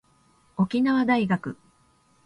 沖縄大学